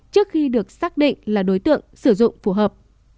trước khi được xác định là đối tượng sử dụng phù hợp